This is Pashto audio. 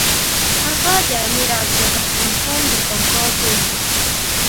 هغه د امیر عبدالرحمن خان د کاکا زوی وو.